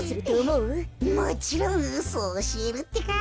もちろんうそおしえるってか。